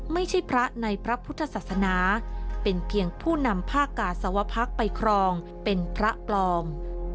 ไม่ใช่พระในพระพุทธศาสนาเป็นเพียงผู้นำผ้ากาสวพักไปครองเป็นพระปลอม